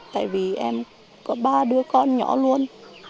tại vì em có ba đứa con nhỏ luôn